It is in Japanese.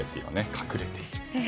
隠れていると。